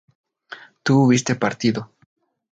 tú hubiste partido